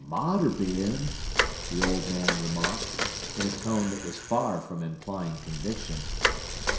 "Mought er bin," the old man remarked, in a tone that was far from implying conviction.